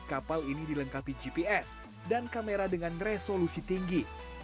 kapal ini dilengkapi gps dan kamera dengan resolusi tinggi